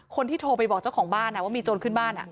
โทรไปบอกเจ้าของบ้านว่ามีโจรขึ้นบ้าน